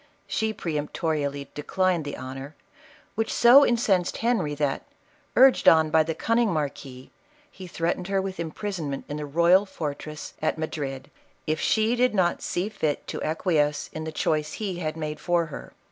She peremptorily declined the honor, which so incensed Henry, that, urged on by the cunning marquis, he threatened her with imprisonment in the royal fortress at Madrid, if she did not see fit to acquiesce in the choice he had made for her.